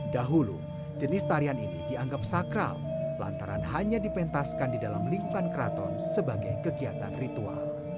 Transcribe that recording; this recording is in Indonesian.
dahulu jenis tarian ini dianggap sakral lantaran hanya dipentaskan di dalam lingkungan keraton sebagai kegiatan ritual